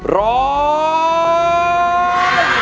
ร้อง